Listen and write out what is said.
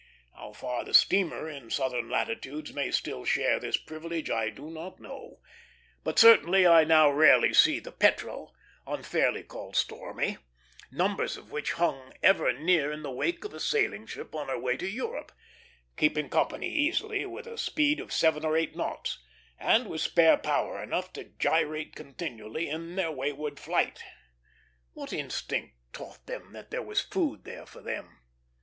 How far the steamer in southern latitudes may still share this privilege, I do not know; but certainly I now rarely see the petrel, unfairly called stormy, numbers of which hung ever near in the wake of a sailing ship on her way to Europe, keeping company easily with a speed of seven or eight knots, and with spare power enough to gyrate continually in their wayward flight. What instinct taught them that there was food there for them?